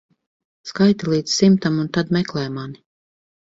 Skaiti līdz simtam un tad meklē mani.